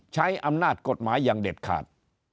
ใช้อำนาจกฎหมายอย่างเด็ดขาด